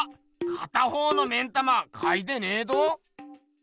片方の目ん玉かいてねえど！